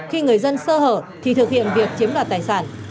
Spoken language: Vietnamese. khi người dân sơ hở thì thực hiện việc chiếm đoạt tài sản